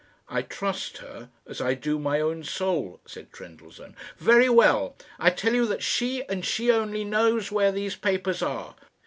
"I trust her as I do my own soul," said Trendellsohn. "Very well; I tell you that she, and she only, knows where these papers are.